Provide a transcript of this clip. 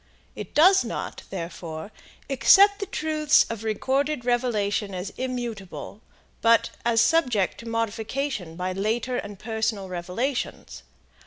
It does not, therefore, accept the truths of recorded revelation as immutable, but as subject to modification by later and personal revelations.